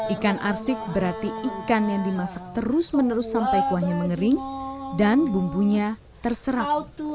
ikan arsik berarti ikan yang dimasak terus menerus sampai kuahnya mengering dan bumbunya terserap